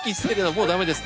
もうだめです。